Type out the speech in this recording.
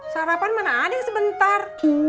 sarapan mana ada yang sebentar